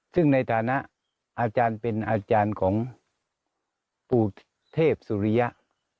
ซึ่งในฐานะอาจารย์เป็นอาจารย์ของปู่เทพสุริยะ